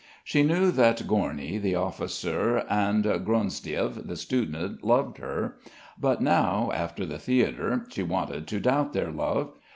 She knew that Gorny, the officer, and Gronsdiev, the student, loved her; but now, after the theatre, she wanted to doubt their love.